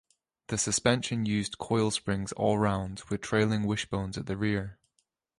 The suspension used coil springs all round with trailing wishbones at the rear.